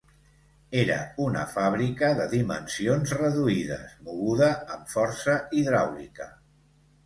Era una fàbrica de dimensions reduïdes, moguda amb força hidràulica.